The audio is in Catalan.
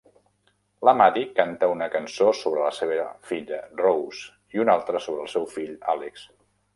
La Maddy canta una cançó sobre la seva filla Rose i una altra sobre el seu fill Alex.